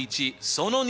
その２。